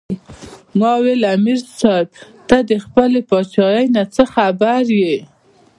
" ـ ما وې " امیر صېب تۀ د خپلې باچائۍ نه څۀ خبر ئې